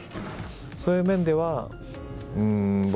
そういう面では。